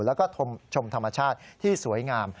แล้วก็ชมธรรมชาติที่สวยงาม